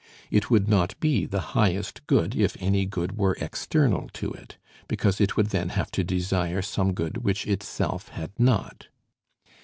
It would not be the highest good if any good were external to it, because it would then have to desire some good which itself had not.